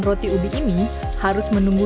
roti ubi ini harus menunggu